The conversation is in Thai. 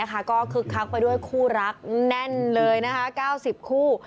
ก็คึกคักไปด้วยคู่รักแน่นเลย๙๐คู่